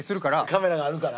カメラがあるから？